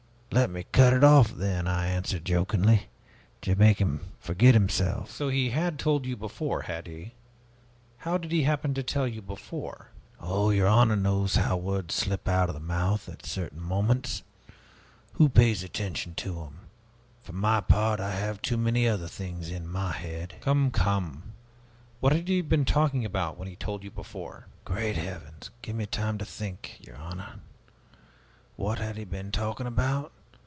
'Let me cut it off, then!' I answered jokingly, to make him forget himself." "So, he had told you before, had he? How did he happen to tell you before?" "Oh, your honor knows how words slip out of the mouth at certain moments. Who pays attention to them? For my part, I have too many other things in my head " "Come, come what had he been talking about, when he told you before?" "Great heavens, give me time to think, your honor! What had he been talking about?